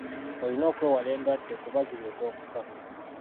Olina okwewala endwadde kuba zireeta okufa.